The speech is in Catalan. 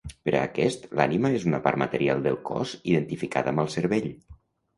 Per a aquest, l'ànima és una part material del cos identificada amb el cervell.